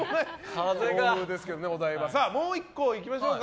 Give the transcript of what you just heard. もう１個いきましょうか。